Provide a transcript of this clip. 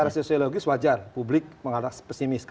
secara sosiologis wajar publik mengarah pesimis